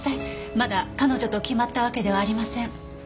まだ彼女と決まったわけではありません。